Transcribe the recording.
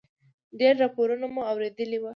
ډېر راپورونه مو اورېدلي و.